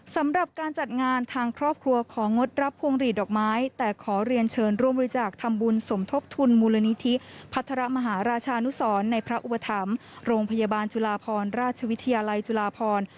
สำหรับการจัดงานทางครอบครัวของงดรับพวงหลีดดอกไม้แต่ขอเรียนเชิญร่วมบริจาคทำบุญสมทบทุนมูลนิธิพัฒระมหาราชานุสรในพระอุปถัมภ์โรงพยาบาลจุฬาพรราชวิทยาลัยจุฬาพร